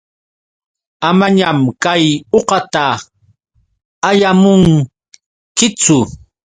Amañam kay uqata allamunkichu.